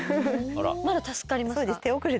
まだ助かりますか？